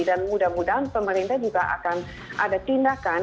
mudah mudahan pemerintah juga akan ada tindakan